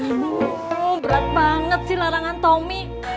ibu berat banget sih larangan tomi